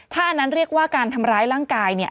ถ้าอันนั้นเรียกว่าการทำร้ายร่างกายเนี่ย